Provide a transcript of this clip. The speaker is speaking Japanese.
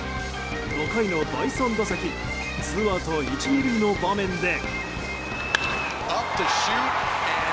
５回の第３打席ツーアウト１、２塁の場面で。